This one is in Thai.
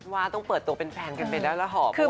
ว่าต้องเปิดตัวเป็นแฟนกันไปได้หรือหรือห่อ